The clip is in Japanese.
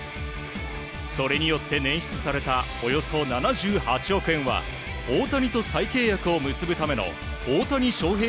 それによって捻出されたおよそ７８億円は大谷と再契約を結ぶための大谷翔平